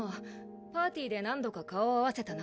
パーティーで何度か顔を合わせたな